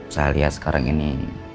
saya lihat sekarang ini